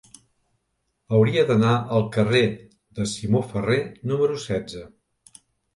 Hauria d'anar al carrer de Simó Ferrer número setze.